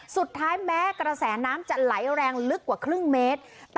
สุดท้ายแม้กระแสน้ำจะไหลแรงลึกกว่าครึ่งเมตร